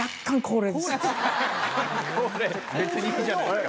別にいいじゃないですか。